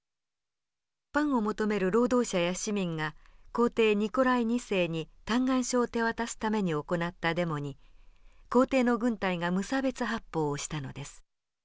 パンを求める労働者や市民が皇帝ニコライ２世に嘆願書を手渡すために行ったデモに皇帝の軍隊が無差別発砲をしたのです。